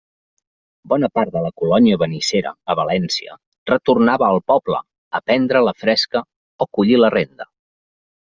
Bona part de la colònia benissera a València retornava al poble a prendre la fresca o collir la renda.